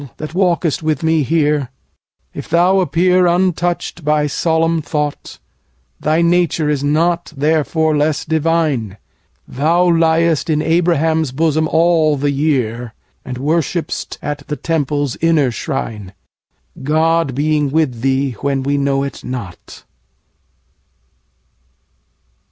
that walkest with me here, If thou appear untouched by solemn thought, Thy nature is not therefore less divine: Thou liest in Abraham's bosom all the year; And worship'st at the Temple's inner shrine, God being with thee when we know it not.